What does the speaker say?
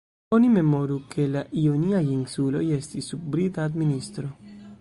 Oni memoru, ke la Ioniaj insuloj estis sub Brita administro.